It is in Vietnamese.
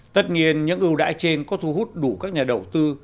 tất nhiên những ưu đãi trên có thu hút đủ các nhà đầu tư